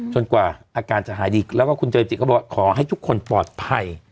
กว่าอาการจะหายดีแล้วก็คุณเจจิก็บอกว่าขอให้ทุกคนปลอดภัย